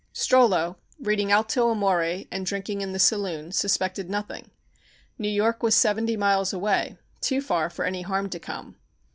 Strollo, reading "Alto Amore," and drinking in the saloon, suspected nothing. New York was seventy miles away too far for any harm to come.